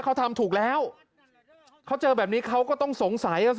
เขาทำถูกแล้วเขาเจอแบบนี้เขาก็ต้องสงสัยอ่ะสิ